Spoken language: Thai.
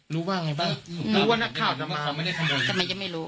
รู้ว่าไงบ้างหลวงตารู้ว่านักข่าวจะมานักข่าวไม่ได้ขโมยทำไมจะไม่รู้